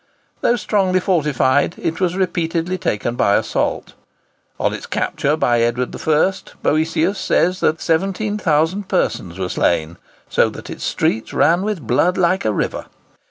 Though strongly fortified, it was repeatedly taken by assault. On its capture by Edward I., Boetius says 17,000 persons were slain, so that its streets "ran with blood like a river."